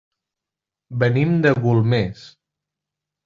Venim de Golmés.